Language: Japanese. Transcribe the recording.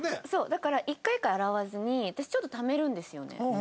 だから１回１回洗わずに私ちょっとためるんですよね。